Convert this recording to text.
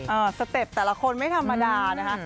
สเต็ปแต่ละคนไม่ธรรมดานะคะ